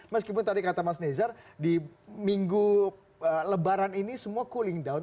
meskipun tadi kata mas nezar di minggu lebaran ini semua cooling down